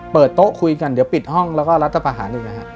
เปิดโต๊ะคุยกันเดี๋ยวปิดห้องแล้วก็รัฐประหารอีกนะฮะ